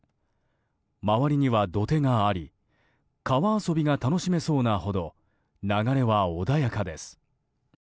周りには土手があり川遊びが楽しめそうなほど流れは穏やかです。